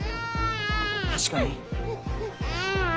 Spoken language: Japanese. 確かに。